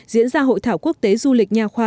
diễn ra hội thảo quốc tế du lịch nhà khoa